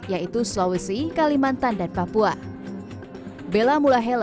yaitu sulawesi kalimantan dan papua